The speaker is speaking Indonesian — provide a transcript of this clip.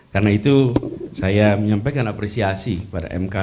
karena itu saya menyampaikan apresiasi kepada mk